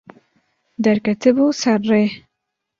Derketibû ser rê.